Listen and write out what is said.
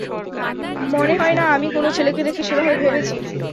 মনেহয় না আমি কোনো ছেলেকে দেখে সেভাবে ভেবেছি।